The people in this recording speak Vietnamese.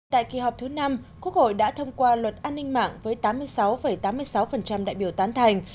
tại kỳ họp thứ năm quốc hội đã thông qua luật an ninh mạng với tám mươi sáu tám mươi sáu đại biểu tán thành